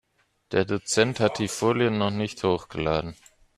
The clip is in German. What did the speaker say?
Der Dozent hat die Folien noch nicht hochgeladen.